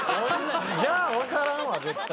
じゃあ分からんわ絶対。